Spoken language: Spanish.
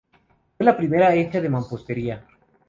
Fue la primera hecha de mampostería.